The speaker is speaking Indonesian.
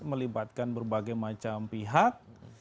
melibatkan berbagai macam pihak